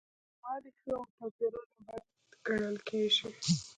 یوشانوالی ښه او توپیرونه بد ګڼل کیږي.